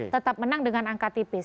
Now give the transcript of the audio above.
tetap menang dengan angka tipis